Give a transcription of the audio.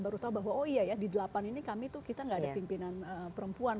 baru tahu bahwa oh iya ya di delapan ini kami tuh kita gak ada pimpinan perempuan